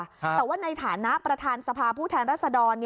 แต่ว่าในฐานะประธานสภาผู้แทนรัศดร